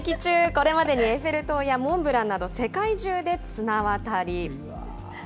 これまでに、エッフェル塔やモンブランなど、世界中で綱渡り。